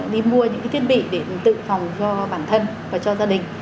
đi mua những thiết bị để tự phòng cho bản thân và cho gia đình